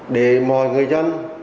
để mọi người dân